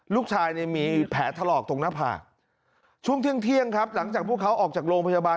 ลูกชายเนี่ยมีแผลถลอกตรงหน้าผากช่วงเที่ยงครับหลังจากพวกเขาออกจากโรงพยาบาล